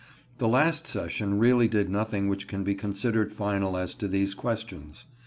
The last session really did nothing which can be considered final as to these questions.